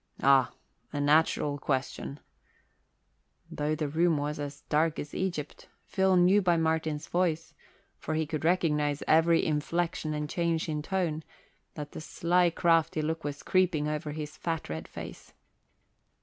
"Ah, a natural question." Though the room was dark as Egypt, Phil knew by Martin's voice for he could recognize every inflection and change in tone that the sly, crafty look was creeping over his fat, red face.